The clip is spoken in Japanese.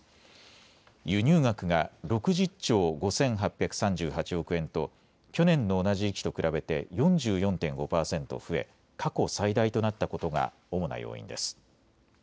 輸入額が６０兆５８３８億円と去年の同じ時期と比べて４４．５％増え、過去最大となったことが主な要因です。